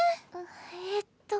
えっと。